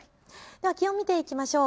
気温見ていきましょう。